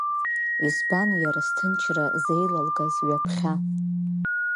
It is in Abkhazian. Избан иара сҭынчра зеилалгаз ҩаԥхьа?